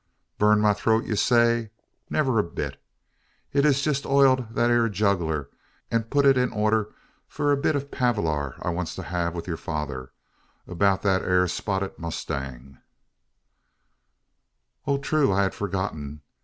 "Burn my throat, ye say? Ne'er a bit. It hez jest eiled thet ere jugewlar, an put it in order for a bit o' a palaver I wants to hev wi' yur father 'bout thet ere spotty mow stang." "Oh, true! I had forgotten.